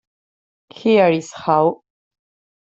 Here's How!